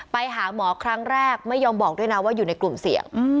ไปหาหมอครั้งแรกไม่ยอมบอกด้วยนะว่าอยู่ในกลุ่มเสี่ยง